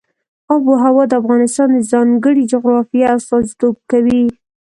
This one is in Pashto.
آب وهوا د افغانستان د ځانګړي جغرافیه استازیتوب کوي.